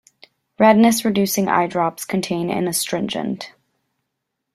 Redness-reducing eye drops contain an astringent.